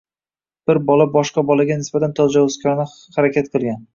Bir bola boshqa bolaga nisbatan tajovuzkorona harakat qilgan –